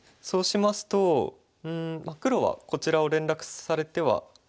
そうしますと黒はこちらを連絡されては。